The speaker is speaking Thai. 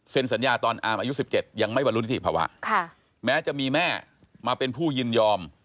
สัญญาตอนอามอายุ๑๗ยังไม่บรรลุนิติภาวะแม้จะมีแม่มาเป็นผู้ยินยอม